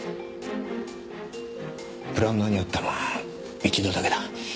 プランナーに会ったのは一度だけだ。